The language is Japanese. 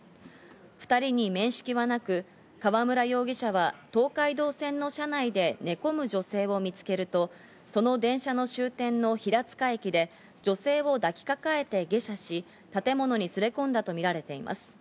２人に面識はなく、河村容疑者は東海道線の車内で寝込む女性を見つけると、その電車の終点の平塚駅で女性を抱きかかえて下車し、建物に連れ込んだとみられています。